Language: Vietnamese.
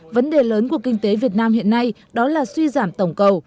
vấn đề lớn của kinh tế việt nam hiện nay đó là suy giảm tổng cầu